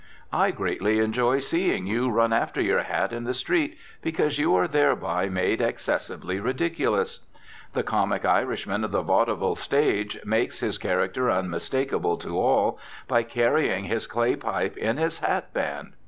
I greatly enjoy seeing you run after your hat in the street, because you are thereby made excessively ridiculous. The comic Irishman of the vaudeville stage makes his character unmistakable to all by carrying his clay pipe in his hat band.